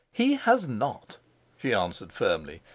"He has not," she answered firmly.